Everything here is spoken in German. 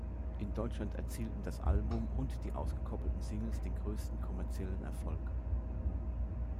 In Deutschland erzielten das Album und die ausgekoppelten Singles den größten kommerziellen Erfolg.